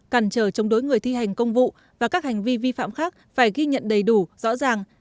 cản trở chống đối người thi hành công vụ và các hành vi vi phạm khác phải ghi nhận đầy đủ rõ ràng